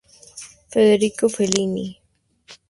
Federico Fellini.